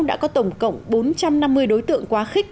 đã có tổng cộng bốn trăm năm mươi đối tượng quá khích